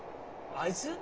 あいつ？